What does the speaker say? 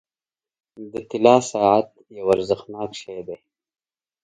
• د طلا ساعت یو ارزښتناک شی دی.